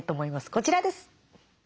こちらです。